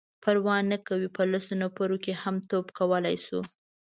_پروا نه کوي،. په لسو نفرو هم توپ کولای شو.